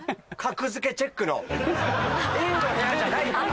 Ａの部屋じゃないから。